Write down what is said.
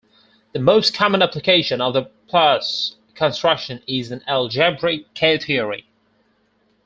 The most common application of the plus construction is in algebraic K-theory.